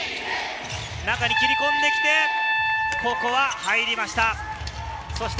中に切り込んでいって、ここは入りました。